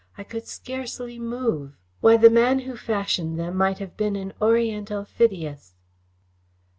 I could scarcely move. Why, the man who fashioned them might have been an oriental Phidias."